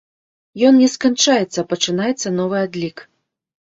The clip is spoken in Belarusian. Ён не сканчаецца, а пачынаецца новы адлік.